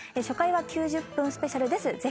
初回は９０分スペシャルです。